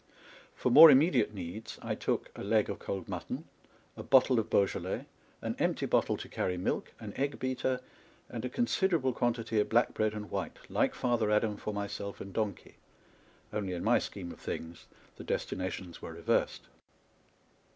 For more im mediate needs I took a leg of cold mutton, a bottle of Beaujolais, an empty bottle to carry milk, an egg beater, and a consider able quantity of black bread and white, like Father Adam, for myself and donkey, only in my scheme of things the destinations were reversed.